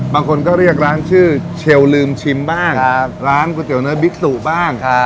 บางคนก็เรียกชื่อเชลลืรมชิมบ้างครับกับร้านก๋วยเตี๋ยวเนอร์บิ๊กสุบ้างครับ